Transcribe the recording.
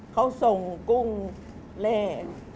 กุ้งกุ้งแร่